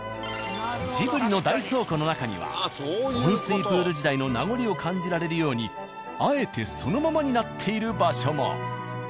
ジブリの大倉庫の中には温水プール時代の名残を感じられるようにあえてそのままになっている場所も。